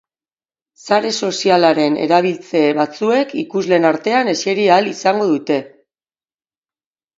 Sare sozialaren erabiltzaile batzuek ikusleen artean eseri ahal izango dute.